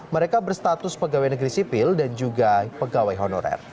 mereka berstatus pegawai negeri sipil dan juga pegawai honorer